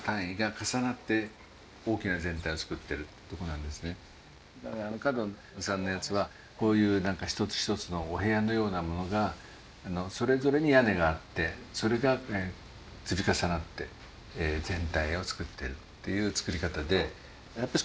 結果としてそれを何かね角野さんのやつはこういう一つ一つのお部屋のようなものがそれぞれに屋根があってそれが積み重なって全体をつくってるっていう造り方で。